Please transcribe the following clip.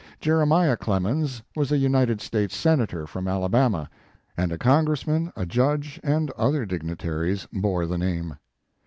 Jeremiah Clemens was a United States senator from Alabama, and a congressman, a judge, and other dignitaries bore the name.